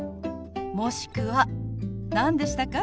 もしくは何でしたか？